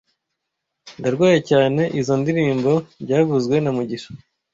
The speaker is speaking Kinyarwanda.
Ndarwaye cyane izoi ndirimbo byavuzwe na mugisha